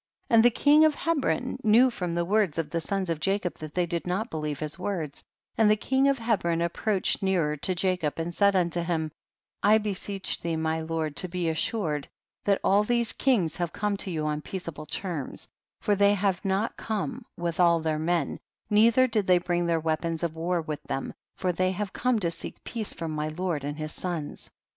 42. And the king of Hebron knew from the words of the sons of Jacob, that they did not believe his words, and the king of Hebron approached nearer to Jacob, and said unto him, I beseech thee my lord to be assured that all these kings have come to you on peaceable terms, for they have not come with all their men, neither did they bring their weapons of war with them, for they have come to seek peace from my lord and his sons.